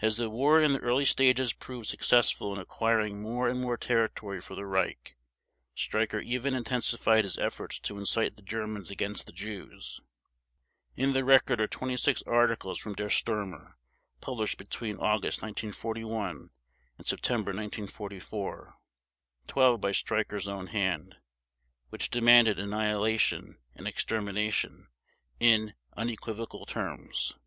As the war in the early stages proved successful in acquiring more and more territory for the Reich, Streicher even intensified his efforts to incite the Germans against the Jews. In the record are 26 articles from Der Stürmer, published between August 1941 and September 1944, 12 by Streicher's own hand, which demanded annihilation and extermination in unequivocal terms.